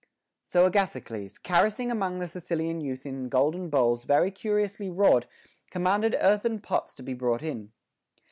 So Agathocles, carousing amongst the Sicilian youth in golden bowls very curiously wrought, commanded earthen pots to be brought in.